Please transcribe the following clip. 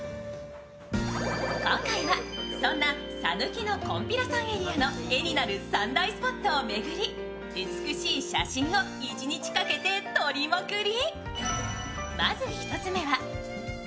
今回はそんなさぬきのこんぴらさんエリア絵になる３大スポットを巡り美しい写真を１日かけて撮りまくり